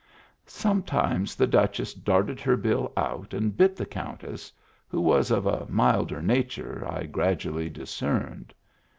Sometimes the Duchess darted her bill out and bit the Countess, who was of a milder nature, I gradually discerned.